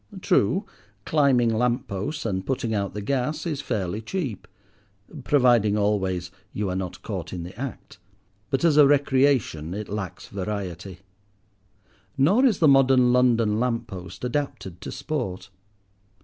True, climbing lamp posts and putting out the gas is fairly cheap, providing always you are not caught in the act, but as a recreation it lacks variety. Nor is the modern London lamp post adapted to sport.